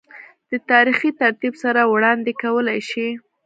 دَ تاريخي ترتيب سره وړاند ې کولے شي